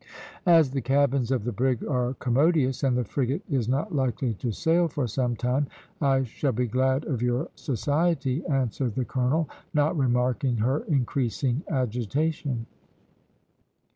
"As the cabins of the brig are commodious, and the frigate is not likely to sail for some time, I shall be glad of your society," answered the colonel, not remarking her increasing agitation.